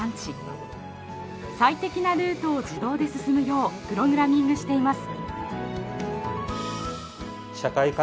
最適なルートを自動で進むようプログラミングしています。